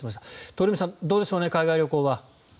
鳥海さん、どうでしょう海外旅行は。